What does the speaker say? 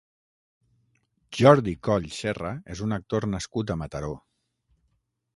Jordi Coll Serra és un actor nascut a Mataró.